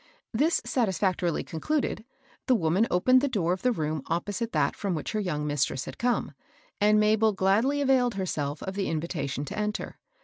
This satisfac torily concluded, the woman opened the door of a room opposite that from which her young mistress had come, and Mabel gladly availed herself of the invitation to enter.